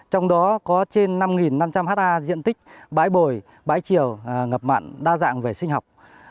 trong đó có trên năm năm trăm linh ha diện tích bãi bồi bãi chiều ngập mặn đa dạng về sinh học